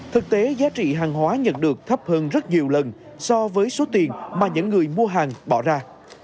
thực tế giá trị hàng hóa nhận được thấp hơn rất nhiều lần so với số tiền mà những người mua hàng bỏ ra